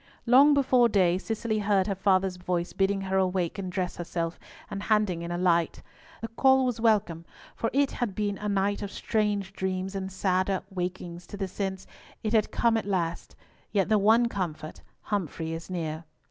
Long before day Cicely heard her father's voice bidding her awake and dress herself, and handing in a light. The call was welcome, for it had been a night of strange dreams and sadder wakenings to the sense "it had come at last"—yet the one comfort, "Humfrey is near."